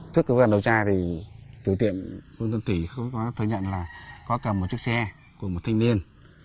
trước cơ quan điều tra thì tùy tiệm huyện tân thành thừa nhận là có cầm một chiếc xe của một thanh niên